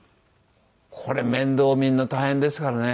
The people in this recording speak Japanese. これ面倒を見るの大変ですからね。